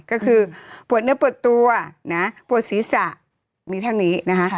ก็คือปวดเนื้อปวดตัวนะปวดศีรษะมีเท่านี้นะคะ